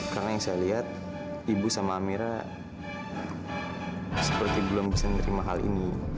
karena yang saya lihat ibu sama amira seperti belum bisa menerima hal ini